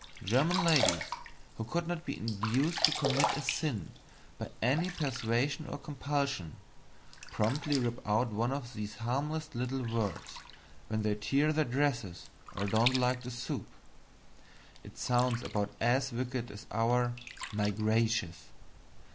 German ladies who could not be induced to commit a sin by any persuasion or compulsion, promptly rip out one of these harmless little words when they tear their dresses or don't like the soup. It sounds about as wicked as our "My gracious."